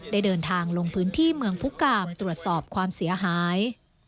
ได้เดินทางลงพื้นที่เมืองพุกามตรวจสอบความเสียหาย